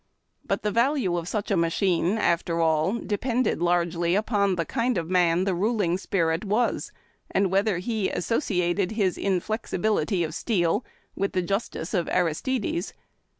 But the value of such a machine, after all, depended largely upon the kind of a man the ruling spirit was, and whether he associated his inflexibility of steel with the justice of Aris tides.